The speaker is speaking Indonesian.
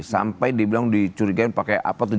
sampai dibilang dicurigai pakai apa